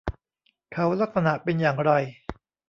เขาลักษณะเป็นอย่างไร